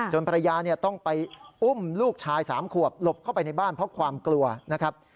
ภรรยาต้องไปอุ้มลูกชาย๓ขวบหลบเข้าไปในบ้านเพราะความกลัวนะครับ